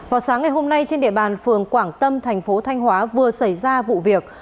vào sáng ngày hôm nay trên địa bàn phường quảng tâm thành phố thanh hóa vừa xảy ra vụ việc